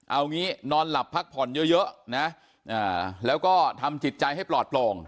เอางี้นอนหลับพักผ่อนเยอะนะแล้วก็ทำจิตใจให้ปลอดโปร่ง